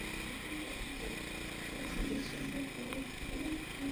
হতে পারে জটিলতাচিকিৎসকের পরামর্শ অনুযায়ী নির্দিষ্ট সময়কাল পর্যন্ত ওষুধ খাওয়াতে হবে শিশুকে।